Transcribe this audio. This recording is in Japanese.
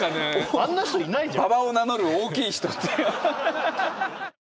あんな人いないじゃん！